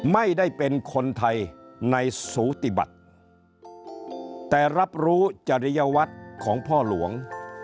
ไม่ได้เป็นคนไทยในสูติบัติแต่รับรู้จริยวัตรของพ่อหลวง